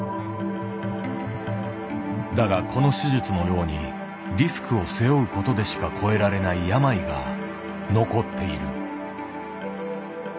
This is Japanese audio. だがこの手術のようにリスクを背負うことでしか越えられない病が残っている。